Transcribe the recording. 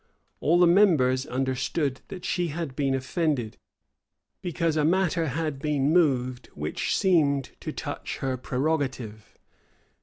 All the members understood that she had been offended, because a matter had been moved which seemed to touch her prerogative.